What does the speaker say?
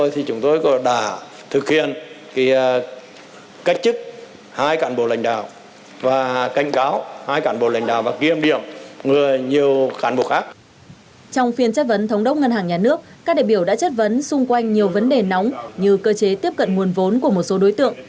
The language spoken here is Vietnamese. trong phiên chất vấn thống đốc ngân hàng nhà nước các đại biểu đã chất vấn xung quanh nhiều vấn đề nóng như cơ chế tiếp cận nguồn vốn của một số đối tượng